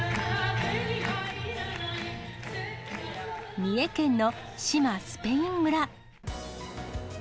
三重県の志摩スペイン村。